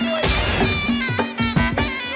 โอ๊ย